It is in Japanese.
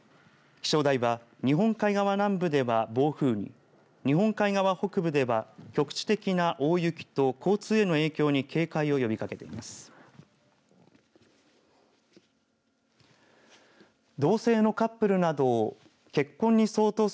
気象台は日本海側南部では暴風に日本海側北部では局地的な大雪と交通への影響に警戒を呼びかけています。